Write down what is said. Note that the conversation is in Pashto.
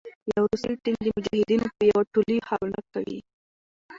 يو روسي ټېنک د مجاهدينو په يو ټولې حمله کوي